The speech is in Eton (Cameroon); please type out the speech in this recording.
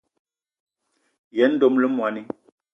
Yen dom le moní.